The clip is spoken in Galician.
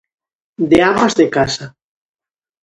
De amas de casa.